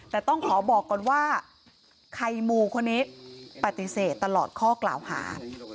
แต่ต้องขอบอกก่อนว่าไข่มูคนนี้ปฏิเสธตลอดข้อกล่าวหา